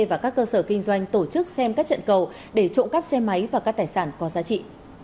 và các cơ sở kinh doanh tổ chức xem các trận cầu để trộm cắp xe máy và các tài sản có giá trị